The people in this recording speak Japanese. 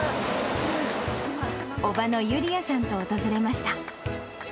伯母のユリアさんと訪れまし